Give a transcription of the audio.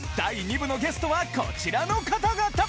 のゲストはこちらの方々！